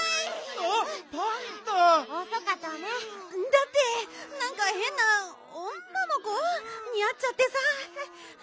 だってなんかへんな女の子にあっちゃってさ。